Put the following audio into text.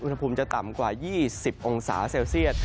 อุณหภูมิจะต่ำกว่า๒๐องศาเซลเซียต